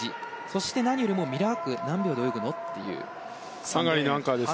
そして、何よりもミラーク何秒で泳ぐのという。